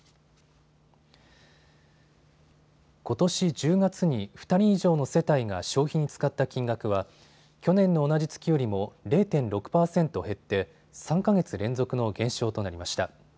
ことし１０月に２人以上の世帯が消費に使った金額は去年の同じ月よりも０．６％減って３か月連続の減少となりました。